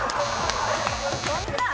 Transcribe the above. そんな！